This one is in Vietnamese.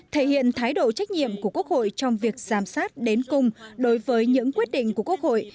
thể hiện thái độ trách nhiệm của quốc hội trong việc giám sát đến cùng đối với những quyết định của quốc hội